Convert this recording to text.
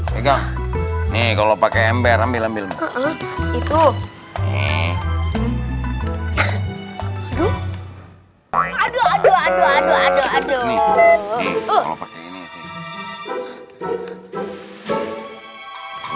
pegang nih kalau pakai ember ambil ambil itu aduh aduh aduh aduh aduh aduh aduh aduh